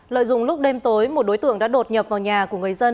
lợi dụng lúc đêm tối một đối tượng đã đột nhập vào nhà của người dân